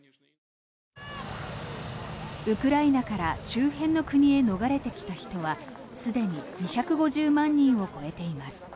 ウクライナから周辺の国へ逃れてきた人はすでに２５０万人を超えています。